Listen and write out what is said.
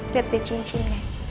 lihat deh cincinnya